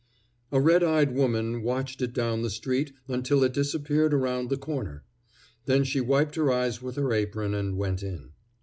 A red eyed woman watched it down the street until it disappeared around the corner. Then she wiped her eyes with her apron and went in.